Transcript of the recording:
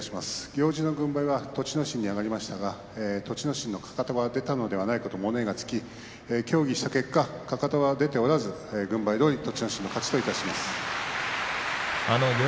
行司の軍配は栃ノ心に上がりましたが栃ノ心のかかとが出たのではないかと物言いがつき協議した結果かかとは出ておらず軍配どおり栃ノ